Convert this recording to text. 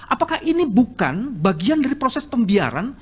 apakah ini bukan bagian dari proses pembiaran